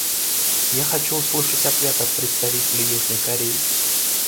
Я хочу услышать ответ от представителя Южной Кореи.